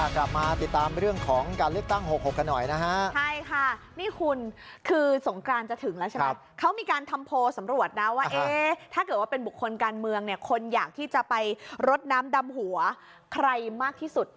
กลับมาติดตามเรื่องของการเลือกตั้ง๖๖กันหน่อยนะฮะใช่ค่ะนี่คุณคือสงกรานจะถึงแล้วใช่ไหมเขามีการทำโพลสำรวจนะว่าเอ๊ะถ้าเกิดว่าเป็นบุคคลการเมืองเนี่ยคนอยากที่จะไปรดน้ำดำหัวใครมากที่สุด